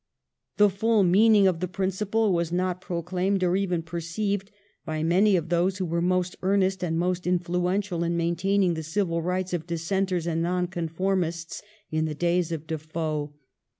The full meaning of the principle was not proclaimed or even perceived by many of those who were most earnest and most influential in maintaining the civil rights of Dissenters and Nonconformists in the days of Defoe.